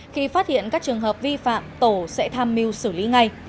khi phát hiện các trường hợp vi phạm tổ sẽ tham mưu xử lý ngay